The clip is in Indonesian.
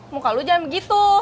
muka lu jangan begitu